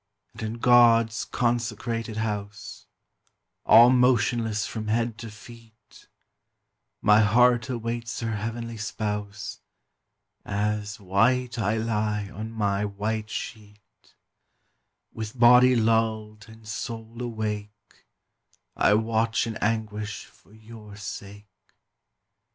And in God's consecrated house, All motionless from head to feet, My heart awaits her heavenly Spouse, As white I lie on my white sheet; With body lulled and soul awake, I watch in anguish for your sake.